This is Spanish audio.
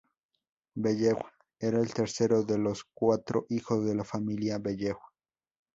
Bellew era el tercero de los cuatro hijos de la familia Bellew.